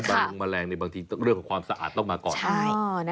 ลงแมลงในบางทีเรื่องของความสะอาดต้องมาก่อน